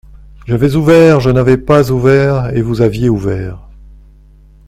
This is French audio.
J’avais ouvert, je n’avais pas ouvert, et vous aviez ouvert.